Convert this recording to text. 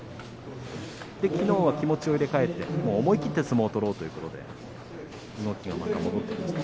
きのうは気持ちを入れ替えて思い切って相撲を取ろうということで動きがまた戻ってきました。